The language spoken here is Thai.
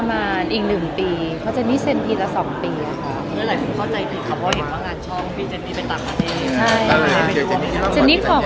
ว่าอันนี้มีงานให้มอง